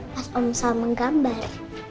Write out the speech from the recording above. pas omsal menggambar